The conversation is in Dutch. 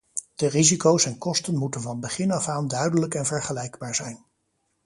De risico's en kosten moeten van begin af aan duidelijk en vergelijkbaar zijn.